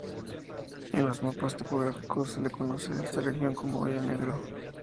En los mapas topográficos se le conoce a esta region como Hoyo Negro.